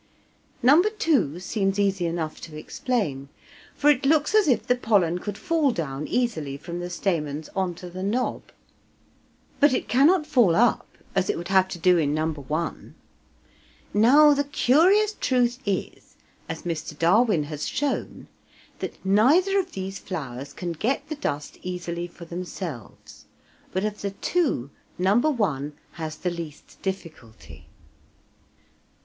No. 2 seems easy enough to explain, for it looks as if the pollen could fall down easily from the stamens on to the knob, but it cannot fall up, as it would have to do in No. 1. Now the curious truth is, as Mr. Darwin has shown, that neither of these flowers can get the dust easily for themselves, but of the two No. 1 has the least difficulty.